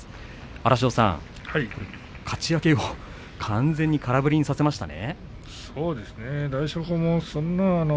荒汐さんかち上げを完全に空振りさせましたね。